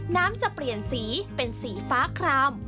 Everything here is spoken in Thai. น้ำจะเปลี่ยนสีเป็นสีฟ้าคลาม